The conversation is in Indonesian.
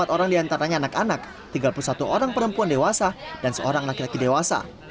empat orang diantaranya anak anak tiga puluh satu orang perempuan dewasa dan seorang laki laki dewasa